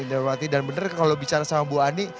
indrawati dan benar kalau bicara sama bu ani